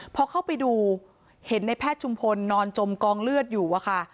พอเข้าไปดูเห็นในแพทย์ชุมพลนอนจมกองเลือดอยู่อะค่ะ